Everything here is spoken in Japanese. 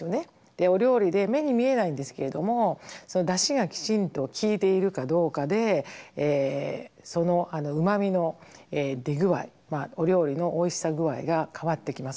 お料理で目に見えないんですけれども出汁がきちんときいているかどうかでそのうまみの出具合お料理のおいしさ具合が変わってきます。